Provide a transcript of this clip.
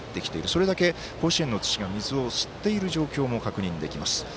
それだけ甲子園の土が水を吸っている状況も確認できます。